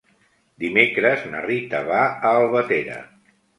Dimecres na Rita va a Albatera.